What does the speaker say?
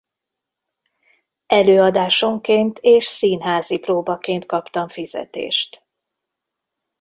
Előadásonként és színházi próbaként kaptam fizetést.